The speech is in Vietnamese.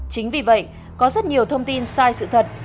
chính vì vậy có rất nhiều thông tin sai sự thật